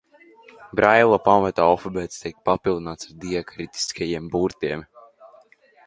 Braila pamata alfabēts tiek papildināts ar diakritiskajiem burtiem.